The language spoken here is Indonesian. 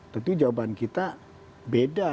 tentu jawaban kita beda